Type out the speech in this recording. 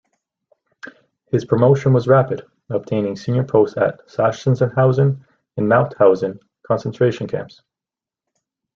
His promotion was rapid, obtaining senior posts at Sachsenhausen and Mauthausen concentration camps.